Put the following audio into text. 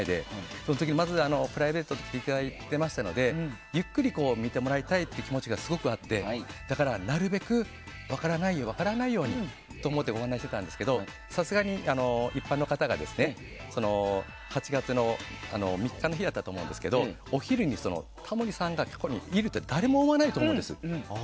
その時プライベートで来ていただいていましたのでゆっくり見てもらいたいという気持ちがあってなるべく分からないようにと思ってご案内していたんですがさすがに一般の方が８月３日だったと思うんですがお昼にタモリさんがいるって誰も思わないと思うんです。